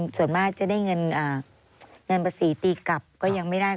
ส่วนมากจะได้เงินเงินภาษีตีกลับก็ยังไม่ได้